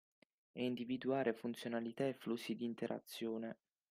E individuare funzionalità e flussi di interazione